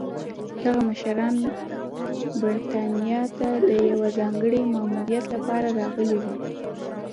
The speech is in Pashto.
دغه مشران برېټانیا ته د یوه ځانګړي ماموریت لپاره راغلي وو.